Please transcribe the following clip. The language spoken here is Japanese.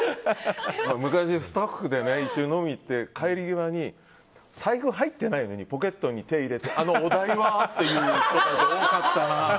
昔スタッフで一緒に飲みに行って帰り際に財布入っていないのにポケットに手を入れてあの、お代は？っていうことが多かったな。